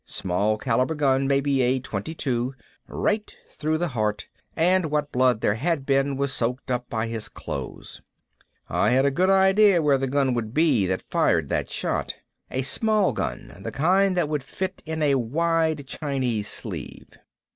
Small caliber gun, maybe a .22. Right through the heart and what blood there had been was soaked up by his clothes. I had a good idea where the gun would be that fired that shot. A small gun, the kind that would fit in a wide Chinese sleeve.